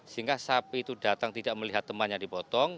sehingga sapi itu datang tidak melihat temannya dipotong